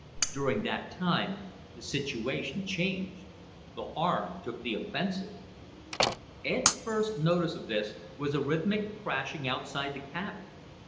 During that time, the situation changed. The Harn took the offensive. Ed's first notice of this was a rhythmic crashing outside the cabin.